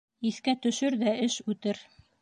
Иҫкә төшөр ҙә, эш үтер.